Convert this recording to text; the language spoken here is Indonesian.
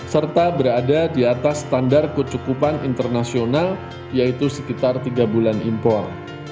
serta berada di atas standar kecukupan internasional yaitu sekitar tiga bulan impor